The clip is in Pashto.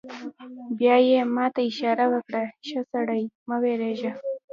بیا یې ما ته اشاره وکړه: ښه سړی، مه وېرېږه.